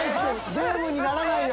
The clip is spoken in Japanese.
ゲームにならないよ。